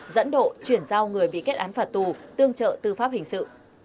dẫn độ chuyển giao người bị kết án phạt tù tương trợ tư pháp hình sự